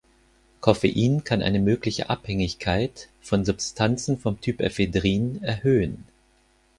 Coffein kann eine mögliche Abhängigkeit von Substanzen vom Typ Ephedrin erhöhen.